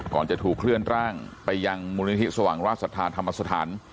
ก่อนจะถูกเคลื่อนร่างไปยังมูลนิธิสว่างราชศรัทธาธรรมสถาน